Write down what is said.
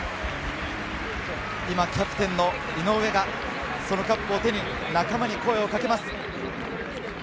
今キャプテンの井上がそのカップを手に、仲間に声をかけます。